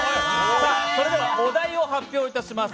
それでは、お題を発表いたします。